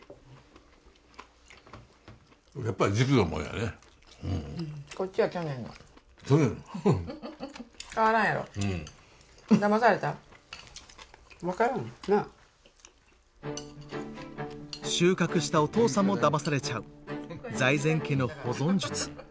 やっぱり収穫したお父さんもだまされちゃう財前家の保存術。